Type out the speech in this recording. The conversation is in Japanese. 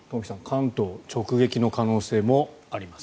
関東直撃の可能性もあります。